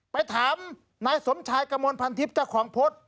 ไปถามนายสมชายกระโมนพันธิปต์เจ้าของพฤษ